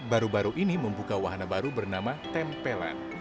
baru baru ini membuka wahana baru bernama tempelan